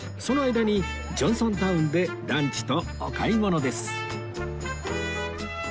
その間にジョンソンタウンでランチとお買い物です